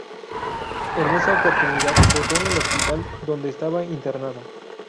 En esa oportunidad votó en el hospital donde estaba internada.